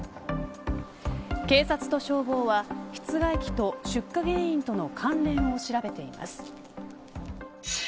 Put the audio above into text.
警察と消防は室外機と出火原因との関連を調べています。